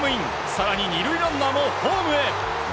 更に２塁ランナーもホームへ。